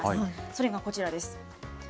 それがこちらです。